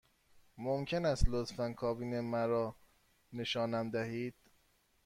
ممکن است لطفاً کابین مرا نشانم دهید؟